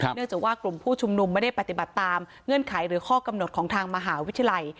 เนื่องจากว่ากลุ่มผู้ชุมนุมไม่ได้ปฏิบัติตามเงื่อนไขหรือข้อกำหนดของทางมหาวิทยาลัย